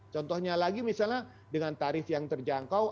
contohnya lagi misalnya dengan tarif yang terjangkau